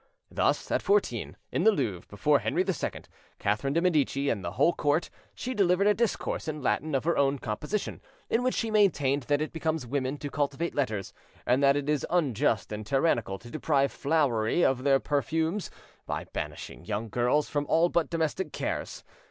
Thus, at fourteen, in the Louvre, before Henry II, Catherine de Medici, and the whole court, she delivered a discourse in Latin of her own composition, in which she maintained that it becomes women to cultivate letters, and that it is unjust and tyrannical to deprive flowery of their perfumes, by banishing young girls from all but domestic cares.